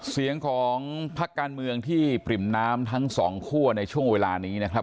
เสียงของพักการเมืองที่ปริ่มน้ำทั้งสองคั่วในช่วงเวลานี้นะครับ